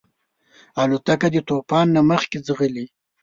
الوتکه د طوفان نه مخکې ځغلي.